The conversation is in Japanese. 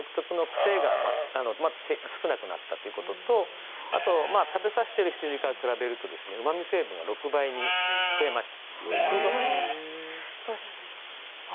癖が少なくなったということと食べさせていない羊から比べるとうまみ成分が６倍にも増えました。